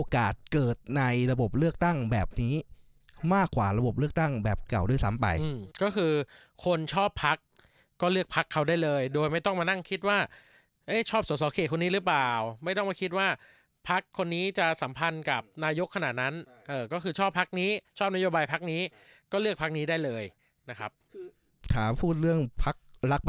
เกิดในระบบเลือกตั้งแบบนี้มากกว่าระบบเลือกตั้งแบบเก่าด้วยซ้ำไปก็คือคนชอบพักก็เลือกพักเขาได้เลยโดยไม่ต้องมานั่งคิดว่าชอบสอสอเขตคนนี้หรือเปล่าไม่ต้องมาคิดว่าพักคนนี้จะสัมพันธ์กับนายกขนาดนั้นก็คือชอบพักนี้ชอบนโยบายพักนี้ก็เลือกพักนี้ได้เลยนะครับคือถามพูดเรื่องพักรัก